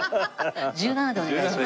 １７でお願いします。